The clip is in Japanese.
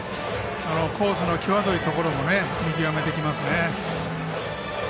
コースの際どいところも見極めていきますね。